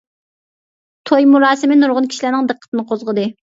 توي مۇراسىمى نۇرغۇن كىشىلەرنىڭ دىققىتىنى قوزغىدى.